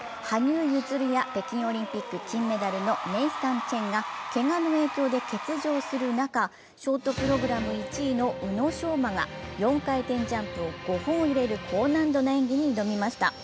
羽生結弦や北京オリンピック金メダルのネイサン・チェンがけがの影響で欠場する中、ショートプログラム１位の宇野昌磨が４回転ジャンプを５本入れる高難度の演技に挑みました。